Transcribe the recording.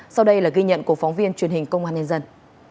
sau đây là ghi nhận của phóng viên truyền hình công an nhân dân